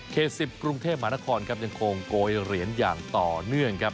๑๐กรุงเทพมหานครครับยังคงโกยเหรียญอย่างต่อเนื่องครับ